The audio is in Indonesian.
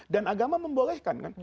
dan agama membolehkan kan